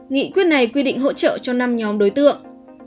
nghị quyết này quy định hỗ trợ cho năm nhóm đối tượng